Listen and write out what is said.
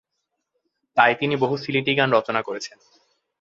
তাই তিনি বহু সিলেটি গান রচনা করেছেন।